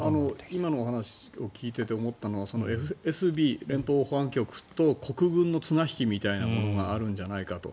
今のお話を聞いてて思ったのはＦＳＢ・連邦保安局と国軍の綱引きみたいなものがあるんじゃないかと。